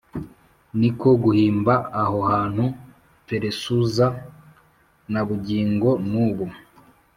Ni ko guhimba aho hantu Peresuza na bugingo n’ubu.